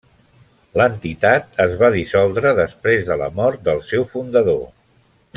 L'entitat es va dissoldre després de la mort del seu fundador.